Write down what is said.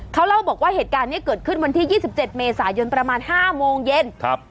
เขาเล่าบอกว่าเหตุการณ์นี้เกิดขึ้นวันที่๒๗เมษายนประมาณ๕โมงเย็นครับ